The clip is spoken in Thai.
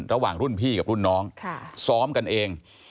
ระหว่างรุ่นพี่กับรุ่นน้องซ้อมกันเอง